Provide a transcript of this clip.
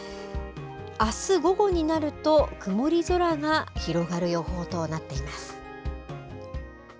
あす午後になると、曇り空が広がる予報となっています。